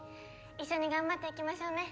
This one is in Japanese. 一緒に頑張っていきましょうね。